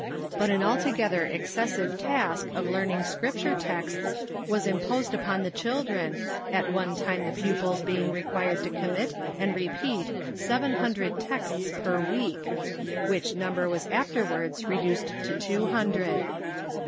But an altogether excessive task of learn ing Scripture texts was imposed upon the children, at one time the pupils being required to commit and repeat seven hun THE SUNDAY SCHOOL 405 dred texts per week, which number was afterwards reduced to two hundred.